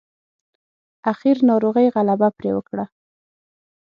اخير ناروغۍ غلبه پرې وکړه.